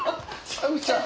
サビちゃん。